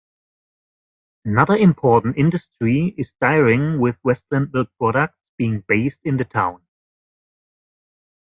Another important industry is dairying, with Westland Milk Products being based in the town.